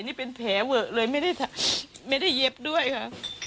นี่เป็นแผลเวอะเลยไม่ได้เย็บด้วยค่ะ